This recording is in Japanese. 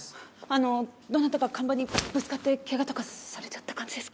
あのどなたか看板にぶつかって怪我とかされちゃった感じですか？